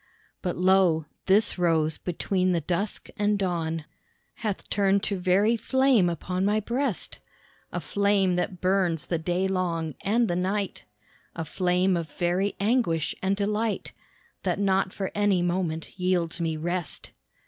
But, Lo! this rose between the dusk and dawn Hath turned to very flame upon my breast, A flame that burns the day long and the night, A flame of very anguish and delight That not for any moment yields me rest.